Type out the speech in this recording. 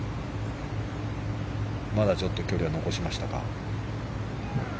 まだちょっと距離は残しましたか。